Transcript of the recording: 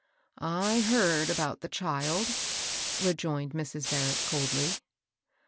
^^ I heard about the child," rejoined Mrs. Barrett, coldly.